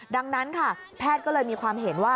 ดังนั้นค่ะแพทย์ก็เลยมีความเห็นว่า